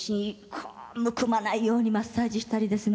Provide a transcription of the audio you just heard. こうむくまないようにマッサージしたりですね